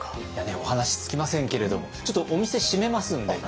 お話尽きませんけれどもちょっとお店閉めますんで。